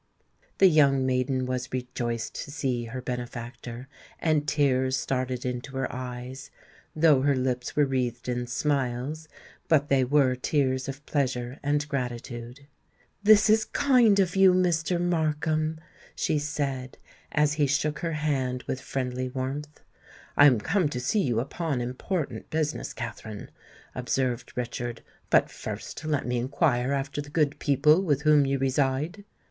The young maiden was rejoiced to see her benefactor; and tears started into her eyes, though her lips were wreathed in smiles;—but they were tears of pleasure and gratitude. "This is kind of you, Mr. Markham," she said, as he shook her hand with friendly warmth. "I am come to see you upon important business, Katherine," observed Richard. "But first let me inquire after the good people with whom you reside?"